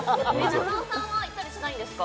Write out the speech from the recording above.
中尾さんは行ったりしないんですか？